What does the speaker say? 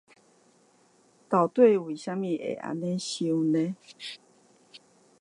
到底為什麼會這樣想呢？